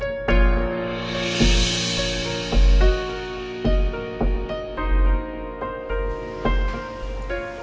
sekarang lagi ditangani semua dokter